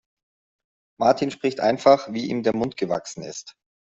Martin spricht einfach, wie ihm der Mund gewachsen ist.